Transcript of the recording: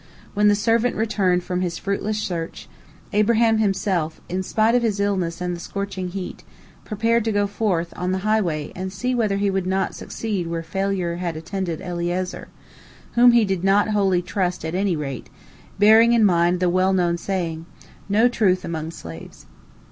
When the servant returned from his fruitless search, Abraham himself, in spite of his illness and the scorching heat, prepared to go forth on the highway and see whether he would not succeed where failure had attended Eliezer, whom he did not wholly trust at any rate, bearing in mind the well known saying, "No truth among slaves."